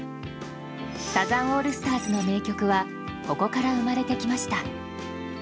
サザンオールスターズの名曲はここから生まれてきました。